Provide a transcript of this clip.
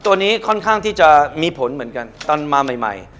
ตัวนี้ค่อนข้างที่จะมีผลเหมือนกันตอนมาใหม่ใหม่